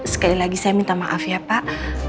sekali lagi saya minta maaf ya pak